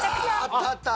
あったあった。